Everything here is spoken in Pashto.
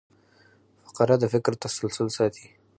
فقره د فکر تسلسل ساتي.